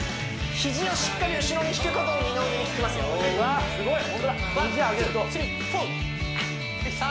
肘をしっかり後ろに引くことで二の腕にききますよわあ